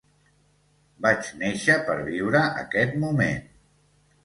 Vaig néixer per viure aquest moment.